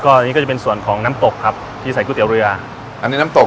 อันนี้ก็จะเป็นส่วนของน้ำตกครับที่ใส่ก๋วยเตี๋ยวเรืออันนี้น้ำตก